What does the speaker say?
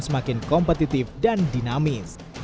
semakin kompetitif dan dinamis